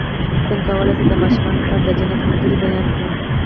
څنګه کولی شم د ماشومانو لپاره د جنت ملګري بیان کړم